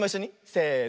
せの。